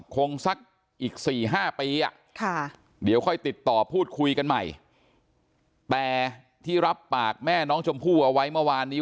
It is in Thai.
คงสักอีกสี่ห้าปีครับค่ะเดี๋ยวค่อยติดต่อพูดคุยกันใหม่